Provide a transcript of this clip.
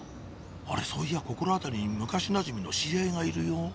あれそういやここら辺りに昔なじみの知り合いがいるよ